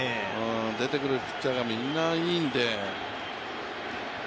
出てくるピッチャーがみんないいんで。